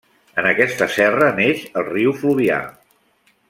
En aquesta serra neix el riu Fluvià.